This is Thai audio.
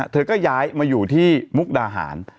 เธอก็ย้ายมาอยู่ที่มุกดาหาร